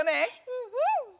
うんうん！